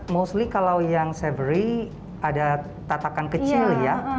mostly kalau yang severy ada tatakan kecil ya